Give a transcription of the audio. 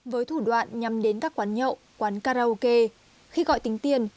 với thủ đoạn nhằm đến các quán nhậu quán karaoke khi gọi tính tiền